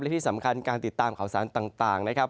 และที่สำคัญการติดตามข่าวสารต่างนะครับ